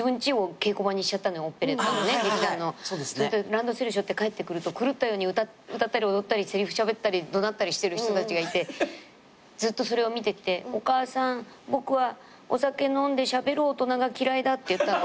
ランドセルしょって帰ってくると狂ったように歌ったり踊ったりせりふしゃべったり怒鳴ったりしてる人たちがいてずっとそれを見てきてお母さん僕はお酒飲んでしゃべる大人が嫌いだって言ったの。